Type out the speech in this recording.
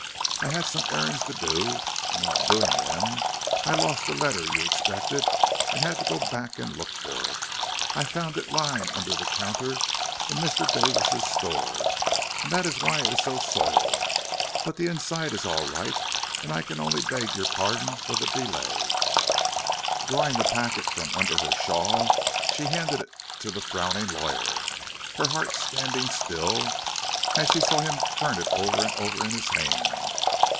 I had some errands to do, and while doing them I lost the letter you expected and had to go back and look for it. I found it lying under the counter in Mr. Davis' store and that is why it is so soiled, but the inside is all right, and I can only beg your pardon for the delay." Drawing the packet from under her shawl, she handed it to the frowning lawyer, her heart standing still as she saw him turn it over and over in his hand.